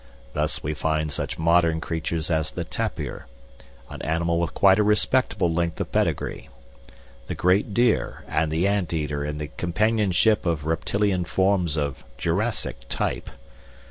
Thus we find such modern creatures as the tapir an animal with quite a respectable length of pedigree the great deer, and the ant eater in the companionship of reptilian forms of jurassic type.